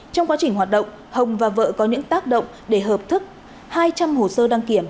trong quá trình hoạt động hồng và vợ có những tác động để hợp thức hai trăm linh hồ sơ đăng kiểm